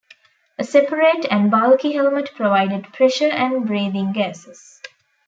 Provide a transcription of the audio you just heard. A separate, and bulky, helmet provided pressure and breathing gases.